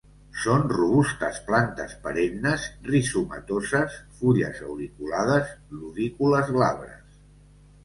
Són robustes plantes perennes; rizomatoses. Fulles auriculades. Lodícules glabres.